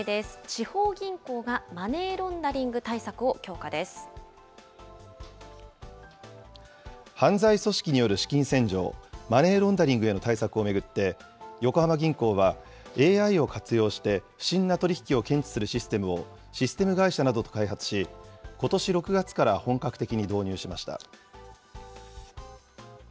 地方銀行がマネーロンダリング対犯罪組織による資金洗浄・マネーロンダリングの対策を巡って、横浜銀行は、ＡＩを活用して、不審な取り引きを検知するシステムをシステム会社などと開発し、ことし６月から本格的に導入しました。